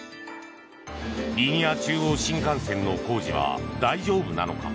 リニア中央新幹線の工事は大丈夫なのか？